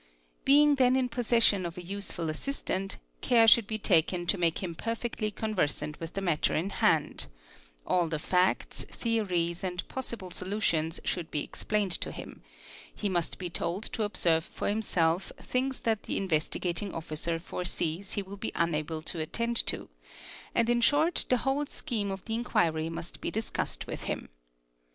Being then in possession of a useful assistant, care should be tail to make him perfectly conversant with the matter in hand; all th facts, theories, and possible solutions should be explained to him, h must be told to observe for himself things that the Investigating Office foresees he will be unable to attend to, and in short the whole scheme o the inquiry must be discussed with him.